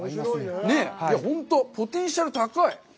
本当、ポテンシャルが高い。